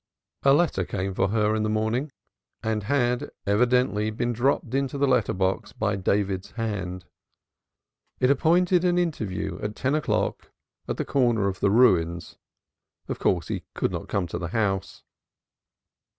A letter came for her in the morning. It was unstamped, and had evidently been dropped into the letter box by David's hand. It appointed an interview at ten o'clock at a corner of the Ruins; of course, he could not come to the house.